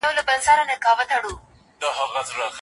نړيوال سازمانونه د هيوادونو ستونزي څېړي.